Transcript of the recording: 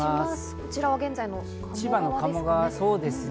こちらは現在の千葉の鴨川ですね。